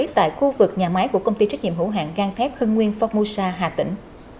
tại khu vực nhà máy của công ty trách nhiệm hữu hạng gan thép hưng nguyên phong musa hà tĩnh